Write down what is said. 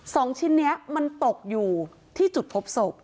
สองชิ้นนี้มันตกอยู่ที่จุดพบศพ